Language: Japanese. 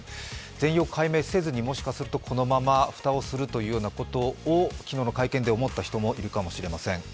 全容解明せずにもしかしたらこのまま蓋をするということを昨日の会見で思った人もいるかもしれません。